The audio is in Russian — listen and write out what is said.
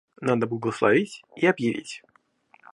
Надо благословить и объявить.